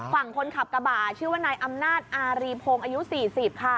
ฝั่งคนขับกระบะชื่อว่านายอำนาจอารีพงศ์อายุ๔๐ค่ะ